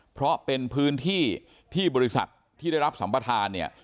เพราะเป็นพื้นที่ที่บริษัทที่ได้รับสัมปทานเนี่ย